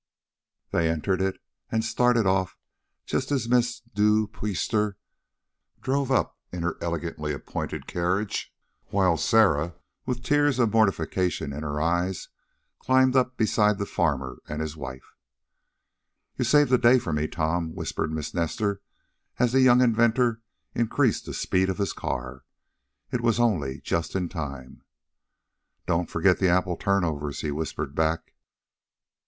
They entered it and started off, just as Mrs. Duy Puyster drove up in her elegantly appointed carriage, while Sarah, with tears of mortification in her eyes, climbed up beside the farmer and his wife. "You saved the day for me, Tom," whispered Miss Nestor, as the young inventor increased the speed of his car. "It was only just in time." "Don't forget the apple turnovers," he whispered back.